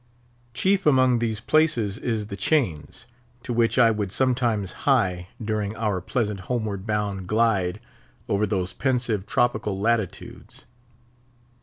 Chief among these places is the chains, to which I would sometimes hie during our pleasant homeward bound glide over those pensive tropical latitudes.